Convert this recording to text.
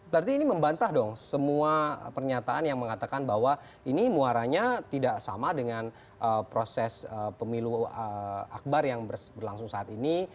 berarti ini membantah dong semua pernyataan yang mengatakan bahwa ini muaranya tidak sama dengan proses pemilu akbar yang berlangsung saat ini